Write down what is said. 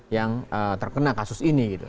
yang terkena kasus ini gitu